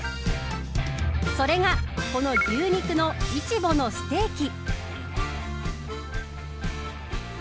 それがこの牛肉のイチボのステーキ。